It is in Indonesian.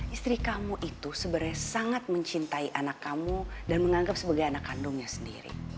istri kamu itu sebenarnya sangat mencintai anak kamu dan menganggap sebagai anak kandungnya sendiri